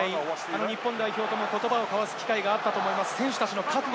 田中さん、今大会は日本代表とも言葉を交わす機会があったと思います。